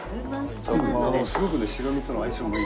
すごくね白身との相性がいい。